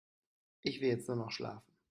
Ich will jetzt nur noch schlafen.